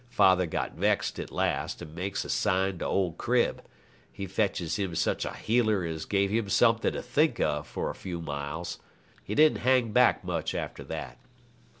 Father got vexed at last and makes a sign to old Crib; he fetches him such a 'heeler' as gave him something else to think of for a few miles. He didn't hang back much after that.